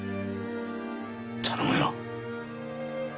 頼むよ。